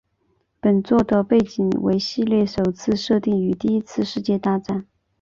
本作的背景为系列首次设定于第一次世界大战。